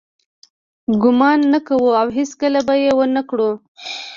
ګمان نه کوو او هیڅکله به یې ونه کړو.